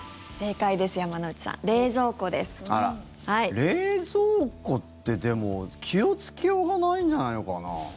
冷蔵庫ってでも、気をつけようがないんじゃないのかな。